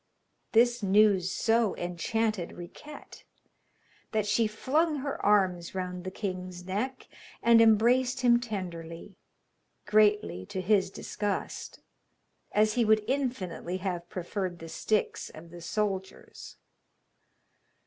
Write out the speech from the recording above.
This news so enchanted Riquette, that she flung her arms round the king's neck and embraced him tenderly, greatly to his disgust, as he would infinitely have preferred the sticks of the soldiers.